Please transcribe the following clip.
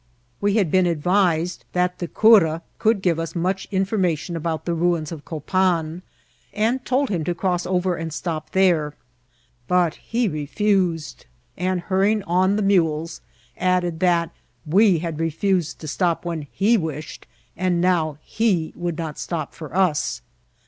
We had been advised that the cura could give us much informa* tion about the ruins of Copan, and told him to cross over and stop there ; but he refiised, and, hurrying on the mules, added that we had refused to stop when he vrished, and now he would not stop for us.